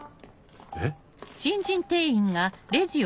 えっ？